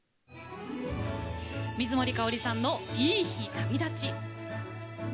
水森かおりさんの「いい日旅立ち」。